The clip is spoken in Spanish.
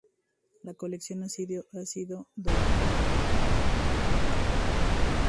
La colección ha sido donado por Samuel Humberto Espinoza.